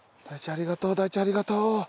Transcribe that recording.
ありがとう大地ありがとう。